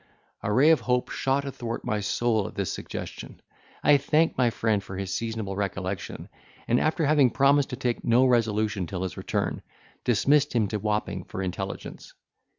A ray of hope shot athwart my soul at this suggestion; I thanked my friend for this seasonable recollection, and, after having promised to take no resolution till his return, dismissed him to Wapping for intelligence.